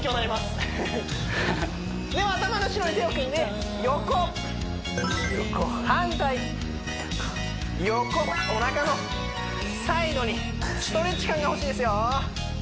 ハハッでは頭の後ろに手を組んで横横反対横おなかのサイドにストレッチ感がほしいですよ